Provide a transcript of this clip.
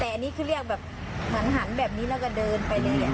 แต่อันนี้คือเรียกแบบเหมือนหันแบบนี้แล้วก็เดินไปเลย